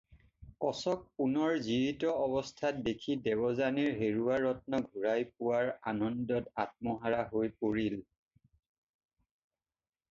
কচক পুনৰ জীৱিত অৱস্থাত দেখি দেৱযানী হেৰুৱা ৰত্ন ঘূৰাই পোৱাৰ আনন্দত আত্মহাৰা হৈ পৰিল।